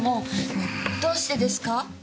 どうしてですか？